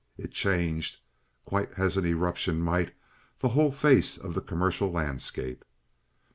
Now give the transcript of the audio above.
It changed, quite as an eruption might, the whole face of the commercial landscape.